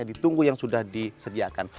yang ditunggu yang sudah disediakan